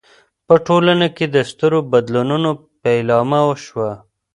په ټولنه کې د سترو بدلونونو پیلامه شوه.